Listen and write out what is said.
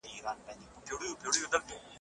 په ټولنه کې د باور فضا باید جوړه سي.